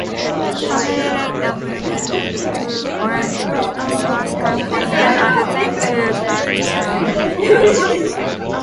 The family later moved to Orangeburg, South Carolina, and then to Baltimore, Maryland.